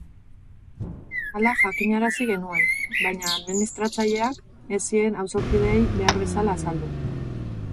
Hala jakinarazi genuen, baina administratzaileak ez zien auzokideei behar bezala azaldu.